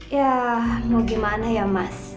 ya mau gimana ya mas